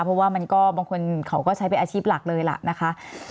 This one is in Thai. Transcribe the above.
เพราะว่ามันก็บางคนเขาก็ใช้เป็นอาชีพหลักเลยล่ะนะคะ